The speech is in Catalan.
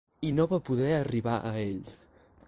I no va poder arribar a ell.